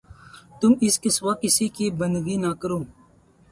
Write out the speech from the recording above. تم اس کے سوا کسی کی بندگی نہ کرو